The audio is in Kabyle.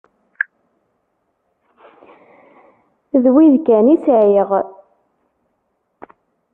D win kan i sεiɣ.